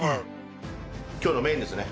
今日のメインですね。